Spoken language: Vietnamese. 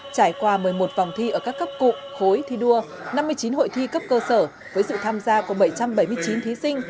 trải qua một mươi một vòng thi ở các cấp cụ khối thi đua năm mươi chín hội thi cấp cơ sở với sự tham gia của bảy trăm bảy mươi chín thí sinh